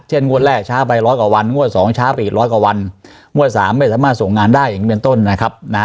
งวดแรกช้าไปร้อยกว่าวันงวดสองช้าไปอีกร้อยกว่าวันงวดสามไม่สามารถส่งงานได้อย่างเป็นต้นนะครับนะ